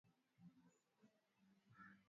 Amerika ya kati na kesi kwa mtiririko huo